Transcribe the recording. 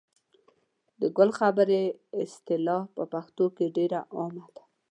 د ګل خبرې اصطلاح په پښتو کې ډېره عامه ده.